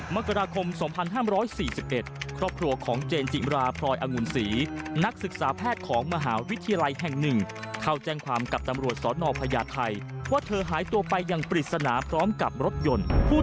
มักราคมสองพันห้ามร้อยสี่สิบเอ็ดครอบครัวของเจนจิมราพลอยอังวลศรีนักศึกษาแพทย์ของมหาวิทยาลัยแห่งหนึ่งเขาแจ้งความกับตำรวจสตร์นอพญาไทยว่าเธอหายตัวไปยังปริศนาพร้อมกับรถยนต์ผู้ต้องการแบบนี้ก็ไม่ได้